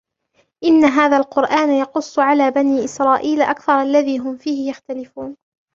إِنَّ هَذَا الْقُرْآنَ يَقُصُّ عَلَى بَنِي إِسْرَائِيلَ أَكْثَرَ الَّذِي هُمْ فِيهِ يَخْتَلِفُونَ